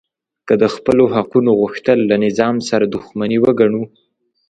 که د خپلو حقونو غوښتل له نظام سره دښمني وګڼو